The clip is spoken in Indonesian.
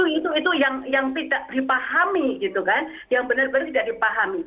itu yang tidak dipahami yang benar benar tidak dipahami